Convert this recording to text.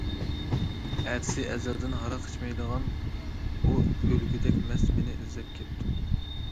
ئەتىسى، ئەزەلدىن ھاراق ئىچمەيدىغان ئۇ، ئۆلگۈدەك مەست مېنى ئىزدەپ كەپتۇ.